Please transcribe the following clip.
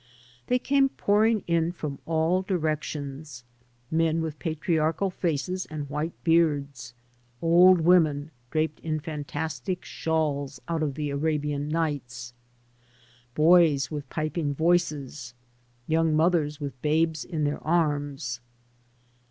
They came pouring in from all directions — men with patriarchal faces and white beards, old women draped in fantastic shawls out of the Arabian Nights, boys with piping voices, young mothers with babes in their arms.